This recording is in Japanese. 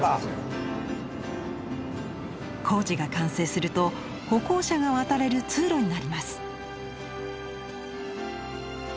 工事が完成すると歩行者が渡れる通路になります。